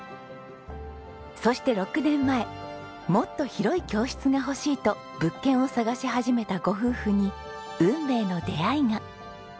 そして６年前もっと広い教室が欲しいと物件を探し始めたご夫婦に運命の出会いが。